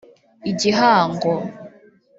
igihango